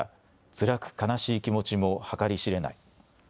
つらく悲しい気持ちも計り知れない。